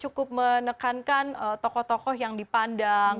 cukup menekankan tokoh tokoh yang dipandang